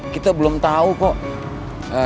kita belum tahu kok